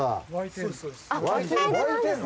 湧いてるの？